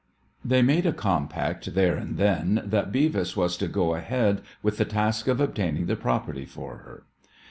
They made a compact there and then that Beavis was to go ahead with the task of obtaining the property for her.